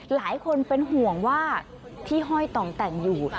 หลายคนเป็นห่วงว่าที่ห้อยต่องแต่งอยู่